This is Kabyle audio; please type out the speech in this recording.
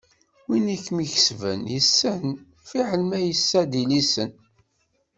Win i kem-ikesben yessen, fiḥel ma yessed ilisen.